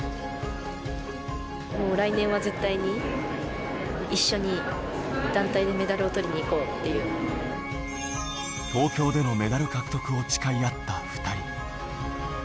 もう来年は絶対に一緒に団体東京でのメダル獲得を誓い合った２人。